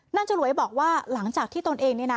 นั่นจะรวยบอกว่าหลังจากที่ตอนเองนี้นะ